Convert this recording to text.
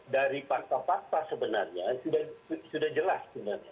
dari fakta fakta sebenarnya sudah jelas sebenarnya